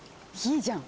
いいじゃん！